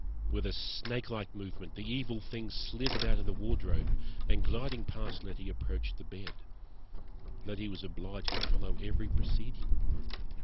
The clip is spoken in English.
With a snakelike movement, the evil thing slithered out of the wardrobe, and, gliding past Letty, approached the bed. Letty was obliged to follow every proceeding.